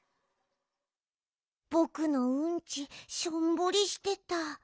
ぼくのうんちしょんぼりしてた。